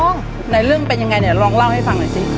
ไหนเรื่องเป็นยังไงเนี่ยลองเล่าให้ฟังหน่อยสิ